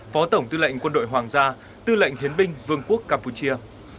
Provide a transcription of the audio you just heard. phó tổng tư lệnh quân đội hoàng gia tư lệnh hiến binh vương quốc campuchia